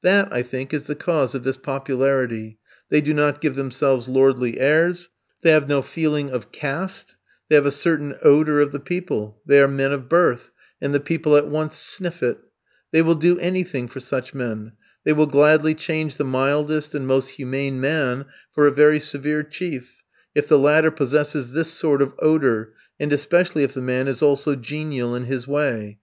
That, I think, is the cause of this popularity. They do not give themselves lordly airs; they have no feeling of "caste;" they have a certain odour of the people; they are men of birth, and the people at once sniff it. They will do anything for such men; they will gladly change the mildest and most humane man for a very severe chief, if the latter possesses this sort of odour, and especially if the man is also genial in his way.